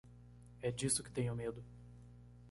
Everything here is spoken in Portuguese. É disso que tenho medo.